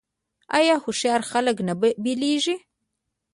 آیا هوښیار خلک نه بیلیږي؟